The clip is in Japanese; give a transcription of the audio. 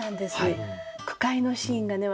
句会のシーンがね